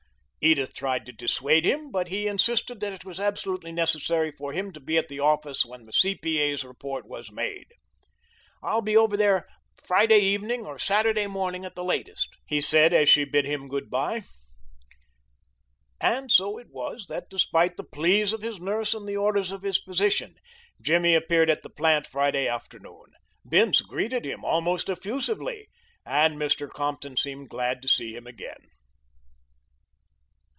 Edith tried to dissuade him, but he insisted that it was absolutely necessary for him to be at the office when the C.P.A.'s report was made. "I'll be over there Friday evening or Saturday morning at the latest," he said as she bid him good bye. And so it was that, despite the pleas of his nurse and the orders of his physician, Jimmy appeared at the plant Friday afternoon. Bince greeted him almost effusively, and Mr. Compton seemed glad to see him out again.